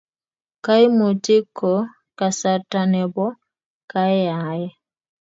Kaimutik ko kasarta nebo keeae